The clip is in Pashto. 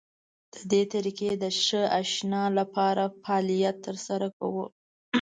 د دې طریقې د ښه اشنا کېدو لپاره فعالیت تر سره کوو.